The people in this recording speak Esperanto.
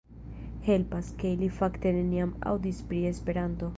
Helpas, ke ili fakte neniam aŭdis pri Esperanto.